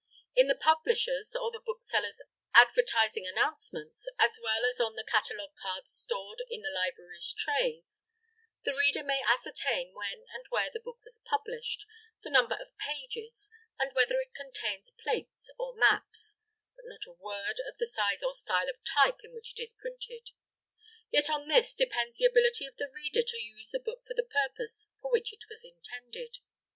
In the publisher's or the bookseller's advertising announcements, as well as on the catalogue cards stored in the library's trays, the reader may ascertain when and where the book was published, the number of pages, and whether it contains plates or maps; but not a word of the size or style of type in which it is printed. Yet on this depends the ability of the reader to use the book for the purpose for which it was intended.